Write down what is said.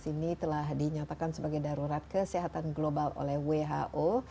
ini telah dinyatakan sebagai darurat kesehatan global oleh who